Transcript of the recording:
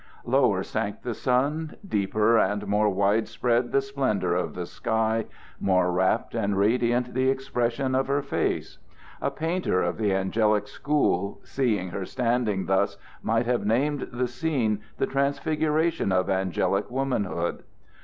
Lower sank the sun, deeper and more wide spread the splendor of the sky, more rapt and radiant the expression of her face. A painter of the angelic school, seeing her standing thus, might have named the scene the transfiguration of angelic womanhood.